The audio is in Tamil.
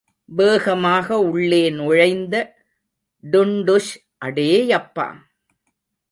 வேகமாக உள்ளே நுழைந்த டுன்டுஷ் அடேயப்பா!